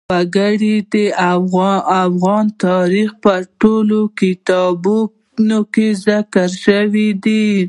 وګړي د افغان تاریخ په ټولو کتابونو کې ذکر شوي دي.